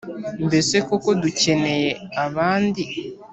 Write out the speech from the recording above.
Mbese koko dukeneye abandi